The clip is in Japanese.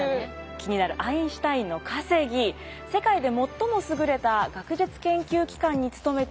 気になるアインシュタインの稼ぎ世界で最も優れた学術研究機関に勤めていた時の５０代の時の年収。